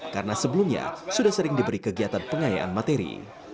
karena sebelumnya sudah sering diberi kegiatan pengayaan materi